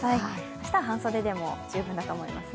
明日は半袖でも十分だと思います。